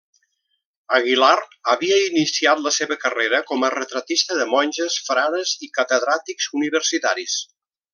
Aguilar havia iniciat la seva carrera com a retratista de monges, frares i catedràtics universitaris.